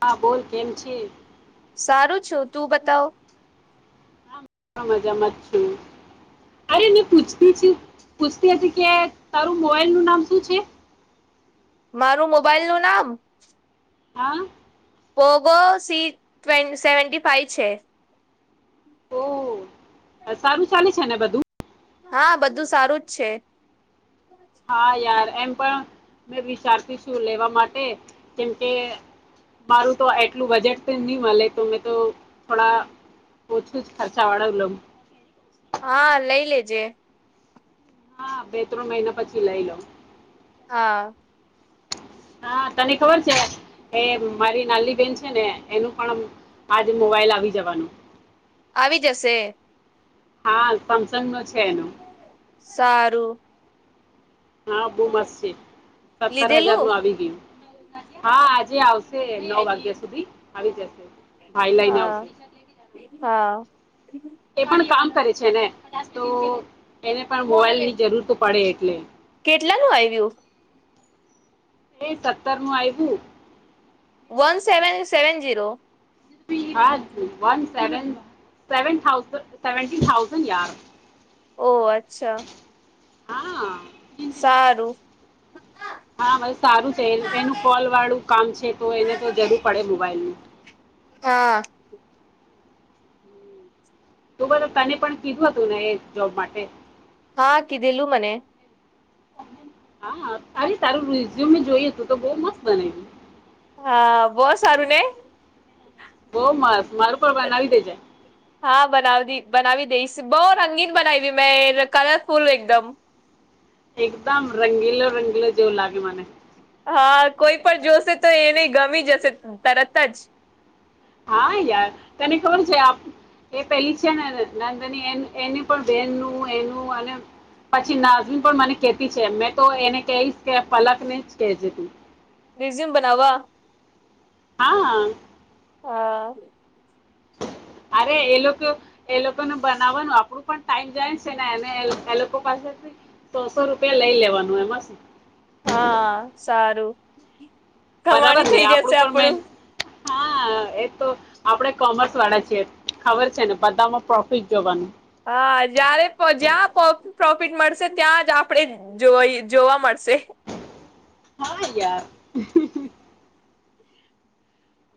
હા બોલ કેમ છે હા સારું છું તું બતાવ. બ મજા મત છું. અરે મે પૂછતી પૂછતી હતી કે તારું મોબાઈલ નું નામ શું છે. મારું મોબાઈલ નું નામ. [inaudible] પોોગો સી સેવન્ટી ફાઈવ છે. ઓ સારું ચાલે છે ને બધું. હા બધું સારું જ છે. હા યાર એમ પણ મેં વિચારતી છું લેવા માટે જેમ કે. મારું તો એટલું બજેટ નહી મળે તો મેં તો થોડા ઓછું જ ખર્ચા વાળાલો. હા લઈ લેજે. હા બે ત્રણ મહિના પછી લઈ લોઉ. [inaudible] હા તને ખબર છે. એ મારી નાની બેન છે ને એનું પણ આજ મોબાઈલ આવી જવાનું. આવી જશે. હા સમસંગ નો. છે એનો સારું. હા બહ મસ્ છે. સત્તર હજાર લીધેલું નું આવી ગયું હા આજે આવશે નવ વાગ્યા સુધી આવી જશે. ભાઈ લઈને આવશે [inaudible] એ પણ કામ કરે છે ને તો એને પણ મોબાઈલ ની જરૂર તો પડે એટલે કેટલાનું આવ્યું એ સત્તર નું આવ્યુ વન સેવન સેવન ઝીરો હા one seven seven થાઉસ seventeen thousand યાર ઓહ અચ્છા હા સારુ હા બસ સારું છે એનું કોલ વાળું કામ છે તો એને તો જરૂર પડે મોબાઈલનું હા તો બલો તને પણ કીધું હતું ને એ જોબ માટે હા કીધેલું મને હા સારી સારું રેસુમેં જોયું હતું તો બોઉ મસ્ત બનાયું હા બહ સારું ને બઉ મસ મારું પણ બનાવી દેજે હા બનાવી દી બનાવી દઈસ બહુ રંગીન બનાવી મેં કલરફુલ એકદમ એકદમ રંગીલો રંગીલો જેવું લાગે મને હા કોઈ પણ જોશે તો એને ગમી જશે તરત જ હા યાર તને ખબર છે આપ એ પેલી છે નેને નંદાની એ એની પણ બેહેનનું એનું અને પછી નાઝમીન પણ મને કતી છે મેં તો એને કહીશ કે પલકને જ કેજે તું રેઝિયમ બનાવા હા હા હ [unintelligible] અરે એ લોકો એ લોકોને બનાવાનું આપડું પણ ટાઈમ જાય છે ને એ એ લોકો પાસેથી સોસો રૂપિયા લઈ લેવાનું એમાં શું હા સારું કમાણી બરાબર ને થઈ આપડુ જશે પણ મે આપણું હા એ તો આપડે કોમર્સ વાળા છીએ ખબર છે ને બધામાં પ્રોફિટ જોવાનું હા જ્યારે જ્યાં પ્રોફિટ મળશે ત્યાં જ આપણેે જો જોવા મળશે શે હા યાર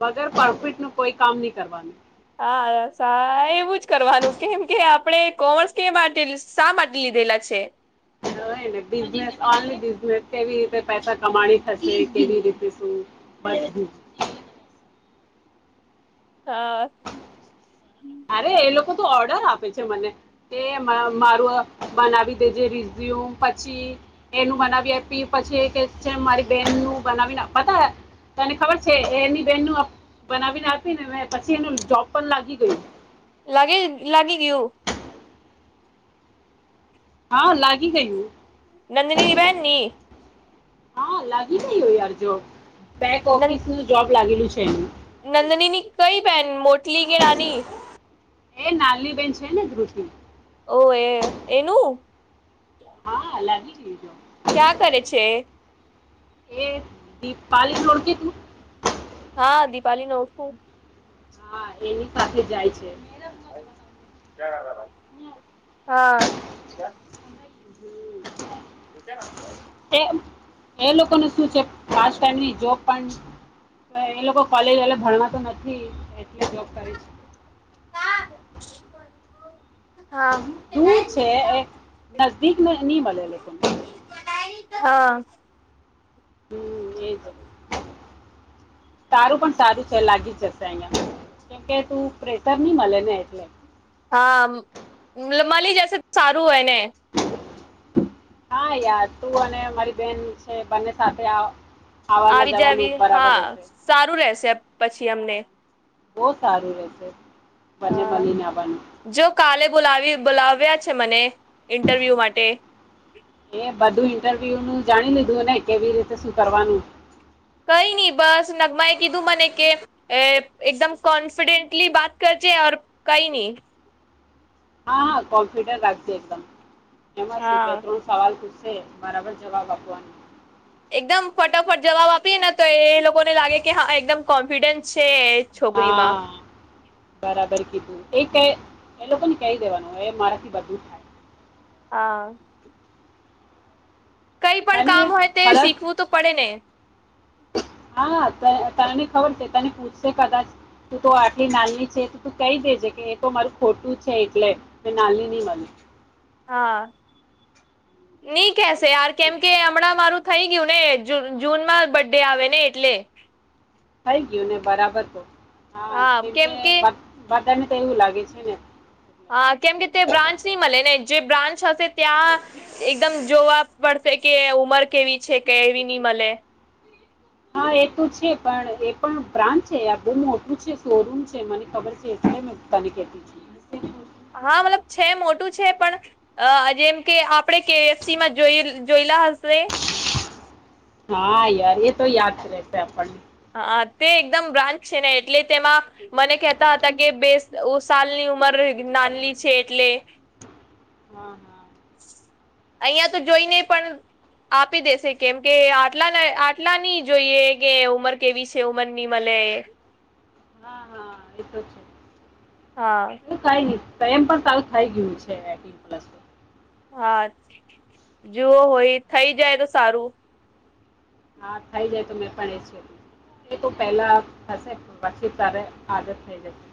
વગર પરફિટ નું કોઈ કામ નહી કરવાનું હા એવું જ કરવાનું કેમ કે આપણે કોમર્સ કે માટે શા માટે લીધુ ધેલા છે હોયને બિઝનેસ ઓનલી બિઝનેસ કેવી રીતે પૈસા કમાણી થશે કેવી રીતે શું બી [unintelligible] હા અરે એ લોકો તો ઓર્ડર આપે છે મને એ મારું બનાવી દેજે રેસુ યુમ પછી એનું બનાવી આપી પછી એ કે છે મારી બેન નું બનાવીન આપવાતા તને ખબર છે એની બેહેનનું બનાવીને આપીને પછી એનું જોબ પણ લાગી ગયું લાગે લાગી ગયુ હા લાગી ગયું નંદનીની બહેનની નહીય યાર જોબ બેક ઓફિસ નું જોબ લાગેલું છે એનું નંદની ની કઈ પેન મોટલી કે નાની એ નાલની બેેન છે ને [unintelligible] ધૃષ ઓ એ એનું હા અલગ હ ચીજો [unintelligible] ક્યાં કરે છે એ દીપાલી ઓળખ તું હા દિપાલી ન ઓું હા એની સાથે જાય છે હા, હમ એ ના એ એ લોકોનું શું છેમની જોબ પણ એ લોકો કોલેજ એ ભણવા તો નથી એટલે જોબ કરીે છે હા દૂર છે એક નજદીક ન ન વાે લોકોને હા હમ એજ તારું પણ સારું છે લાગી જશે અહિયાં કેમકે તું પ્રેશર નહી મળે ને એટલે હા મળલી જસે સારું હોય ને [inaudible] હા યાર તું અને મારી બેન છે બંને સાથે આવ આવવાના આવી જ જવાનું આવી બરાબર હા રહેશે સારું રેશે પછી અમને બહ સારું વેશે હા જો કાલે બોલાવી બોલાવ્યા છે મને ઇન્ટરવ્યુ માટે એ બધું ઇન્ટરવ્યુ નું જાણી લીધું ને કેવી રીતે શું કરવાનું કઈ નહી બસ નગમા એ કીધું મને કે એકદમ કોન્ફિડેન્ટલી બાત કર ચે કઈ નહી હા હા કોમ્પ્યુટર રાખજ એકદમ એમાં શું છે હા ત્રણ સવાલ, છે બરાબર જવાબ આપવાનું એકદમ ફટાફટ જવાબ આપીએ ને તો એ લોકો ને લાગે કે હા એકદમ કોન્ફિડન્સ છે હા છોકરીમાં બરાબર કીધું એ ક એ લોકો ને કહી દેવાનું એ મારાથી બધું થાય હા કઈ પણ તને કામ હોય તે કદાચ શીખવું તો પડે ને હા તને ખબર છે તને પૂછશે કદાચ તું તો આટલી નાલની છે તો તું કહી દેજે કે એ તો મારું ખોટું છે એટલે મે નાલની નહી બની હા નઈ કેશે યાર કેમ કે હમણાં મારું થઈ ગયું ને જૂન માં બર્ ડે આવે ને એટલે થઈ ગયું ને બરાબર તો હા કેમ કે બદાને તો એવું લાગે છે ને હા કેમ કે તે બ્રાન્ચની મળલે ને જે બ્રાન્ચ હશે ત્યાં એકદમ જોવા પડશે કે ઉમર કેવી છે, કેવીની મલે. હ હા એ તો છે, પણ એ પણ બ્રાન્ચ છે, આ બો મોટું છે શોરૂમ છે, મને ખબર છે. [inaudible] હા મતલબ છે, મોટું છે, પણ અ જેમ કે આપણે કેએફસીમાં જોઈ જોઈ લા હશે હા યાર એ તો યાદ રહેશે આપણને હા તે એકદમ બ્રાન્ચ છે, ને એટલે તેમાં મને કહેતા હતા કે બે ઓ સાલની ઉંમર નાનની છે, એટલે હા હા. અહિયાં તો જોઈને પણ આપી દેશે કેમ કે આટલા આટલાની જોઈએ કે ઉંમર કેવી છે, ઉમરની મલે હા હા એતો છે હા એ કઈ ની તો એમ પણ સારું થઈ ગયું છે, પ્લસ હા જુઓ હોય થઈ જાય તો સારું હા થઇ જાય તો મેં પણ એ છે. એ તો પહેલા થશે પણ પછી તારે આદત થઈ જશે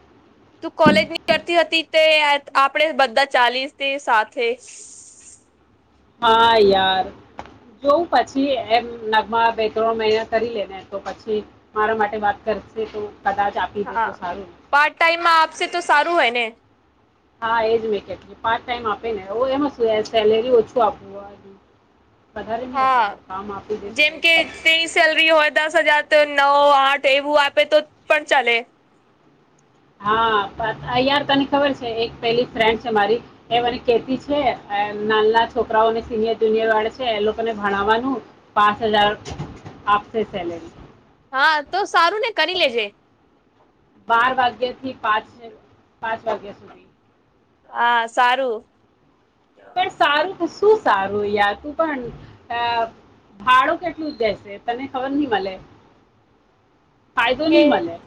તું કોલેજની કરતી હતી તે આપણેે બધા ચાલીશ તે સાથે હા યાર જો પછી એમ નગમા બે ત્રણ મહિના કરી લેને તો પછી મારા માટે વાત ક કરશેે તો કદાચ આપી દે હા તો સારું ને પાર્ટ ટાઈમમાં આપશે તો સારું હોય ને? હા એજ મેં કેટલી પાર્ટ ટાઈમ આપે ને [unintelligible] સેલેરી ઓછું આપવું હોય હા દે તો જેમ બહુ કે સારું. તેની સેલરી હોય દસ હજાર તો નવ આઠ એવું આપે તો પણ ચાલે હા અયાર તને ખબર છે, એક પેલી ફ્રેન્ડ છે, મારી એ મને કેતી છે. નાલલા છોકરાઓને સિનિયર જુનિયર વાળે છે, એ લોકોને ભણાવવાનું પાંચ હજાર આપશે સેલેરી હા તો સારું ને કરી લેજે બાર વાગ્યાથી પાંચ પાંચ વાગ્યા સુધી હા સારું પણ સારું તો શું સારું યાર તું પણ આ ભાડું કેટલું જેસે તને ખબર ની મલે ફાયદો કે ની મલે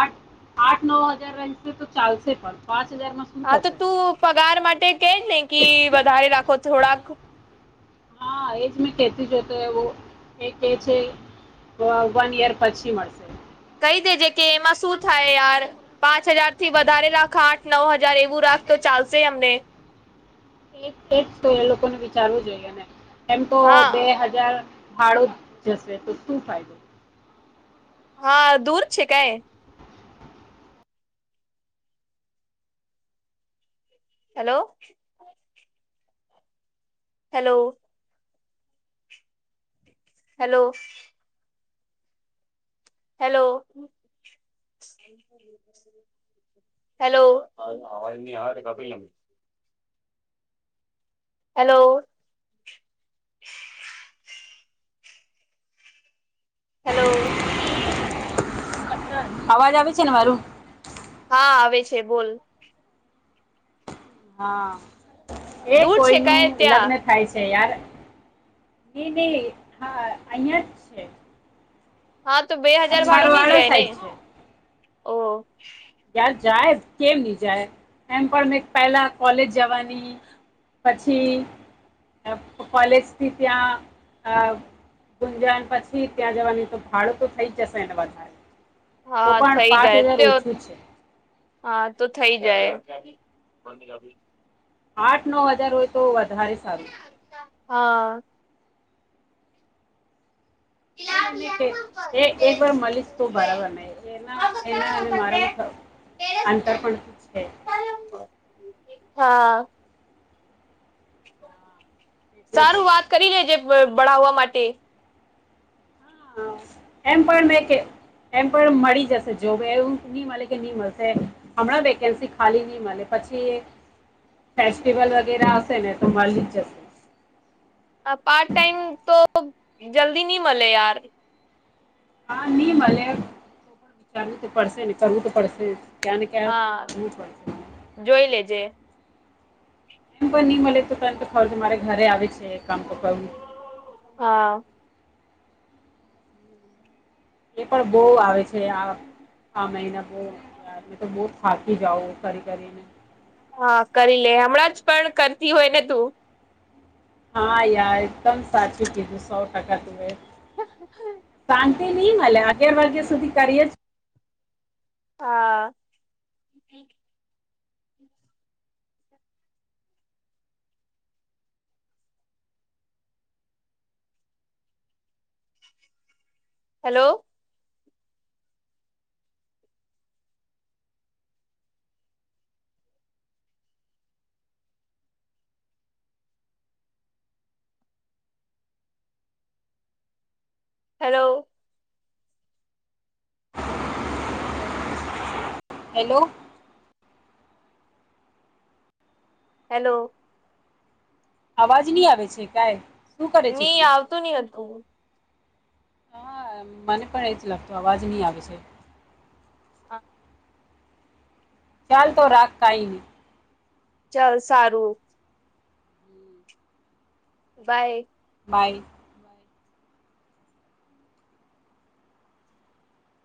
આઠ આઠ નવ હજાર રહેશે તો ચાલશે પણ પાંચ હજારમાં શું હા તો થશે તું પગાર માટે કેજ ને કે વધારે રાખો થોડાક હા એજ મેં કેતી જતો એવું એક એ છે. વન યર પછી મળશે [unintelligible] કે એમાં શું થાય યાર પાંચ હજારથી વધારે રાખ આઠ નવ હજાર એવું રાખ તો ચા લસે અમને એ એજ તો એ લોકોને વિચારવું જોઈએ ને એમ તો બે હા હજાર ફાડો જશે તો શું ફાયદો હા દૂર છે, કઈ hello. Hello. Hello. Hello. Hello અવાજ ની આવે તો કાપી લેમ હેલો. હેલો. અવાજ આવે છે, ને મારું હા આવે છે બોલ હા એ દૂર છે કોઈનુ કાય લગ્ન ત્યાં થાય છે, યાર નઈ નઈ હા અહિયાં જ છે. હા તો બે હાજાર ભાડુંની અચ્છારવાડા જાય ને સાઈડ છે ઓ યાર જાય કેમની જાય એમ પણ મેં પહેલા કોલેજ જવાની પછી કોલેજથી ત્યાં અ ગુંજન પછી ત્યાં જવાની તો ભાડું તો થઈ જશે એને વધારે તો હા પણ થઈ પાંચ જાય હજાર તે ઓછું છે. હા તો થઈ જાય આઠ નવ હજાર હોય તો વધારે સારું હા. ને એને કે એક વાર મલીશ તો બરાબર નહી એના એના અને મારામાં અંતર પણ છે. હા. હા, એટલે તો સારું વાત કરી લેજ બ બળાવવા માટે એમ પણ મેં કે એમ પણ મળી જશે જો એવું ની મલે કે ની મળશે હમણાં વેકેન્સી ખાલી ની મલે પછી ફેસ્ટિવલ વગેરા આવશે ને તો મલી જ જશે પાર્ટ ટાઈમ તો જલ્દીની મલે યાર હા ની મલે વિચારવું તો પડશે ને કરવું તો પડશે ક્યાને ક્યા હા તું [unintelligible] જોઈ લેજે એમ પણની મલે તો કામ તો કરવું ખરું મારે ઘરે આવે છે, કામ તો કરવું હા એ પણ બો આવે છે આ આ મહિના બો તો બોવ થાકી જાવ કરી કરીને હા કરી લે હમણાં જ પણ કરતી હોય ને તું હા યાર એકદમ સાચું કીધું સો ટકા શાંતિ ની મલે અગિયાર વાગ્યા સુધી કરીએ જ હા. હેલો. હેલો. હેલો. હેલો. અવાજ નહી આવે છે, કાઈ ની આવતું ની હતું હા મને પણ એ જ લાગતો અવાજ ની આવે છે. ચાલ તો રાખ કાઈની ચાલ સારું. બાય. બાય.